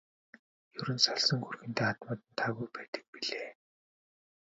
Ер нь салсан хүргэндээ хадмууд нь таагүй байдаг билээ.